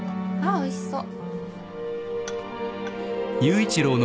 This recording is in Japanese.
おいしそう。